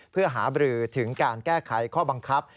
เพื่อหาบรือถึงการแก้ไขข้อบังคับ